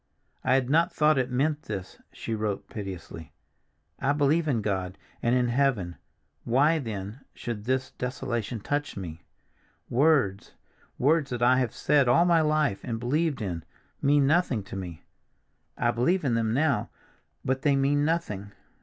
"I had not thought it meant this," she wrote piteously. "I believe in God, and in heaven, why, then, should this desolation touch me? Words—words that I have said all my life and believed in, mean nothing to me. I believe in them now, but they mean nothing.